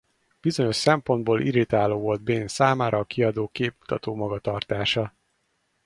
Bizonyos szempontból irritáló volt Bane számára a kiadó képmutató magatartása.